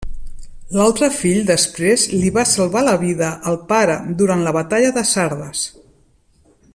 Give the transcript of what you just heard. L'altre fill després li va salvar la vida al pare durant la batalla de Sardes.